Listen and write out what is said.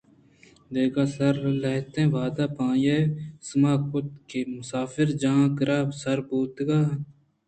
دگ ءِ سر ءَ لہتیں وہدءَ پد آئی ءَسما کُت کہ مسافرجاہ ءِ کِرّا سر بوتگ اَنت